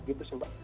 gitu sih mbak